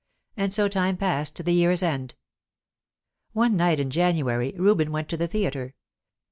And so time passed to the year's end. One night in January Reuben went to the theatre.